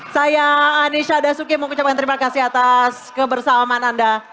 saya anisha dasuki mengucapkan terima kasih atas kebersamaan anda